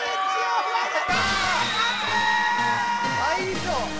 倍以上。